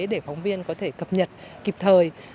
để phóng viên có thể cập nhật kịp thời